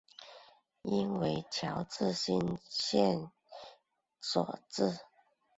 应为侨置新阳县所置。